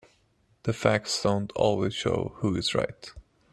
The facts don't always show who is right.